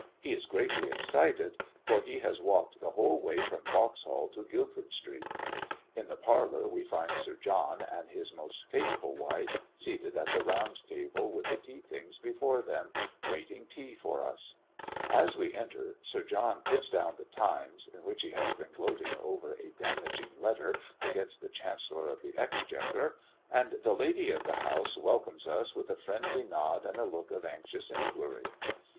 He is greatly excited, for he has walked the whole way from Vauxhall to Guildford street. In the parlour we find Sir John and his most faithful wife seated at the round table, with the tea things before them, waiting tea for us. As we enter, Sir John puts down the Times, in which he has been gloating over a "damaging letter" against the Chancellor of the Exchequer; and the lady of the house welcomes us with a friendly nod and a look of anxious inquiry.